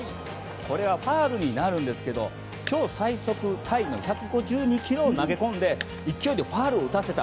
これはファウルになるんですが今日最速タイの１５２キロを投げ込んで勢いでファウルを打たせた。